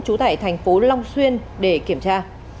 chủ tải thành phố long xuyên để kiểm tra